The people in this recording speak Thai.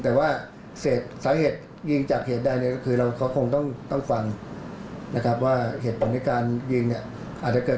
แต่ว่าสาเหตุยิงจากเหตุได้